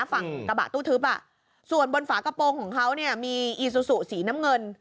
ฝั่งกระบะตู้ทึบส่วนบนฝากระโปรงของเขาเนี่ยมีอีซูซูสีน้ำเงิน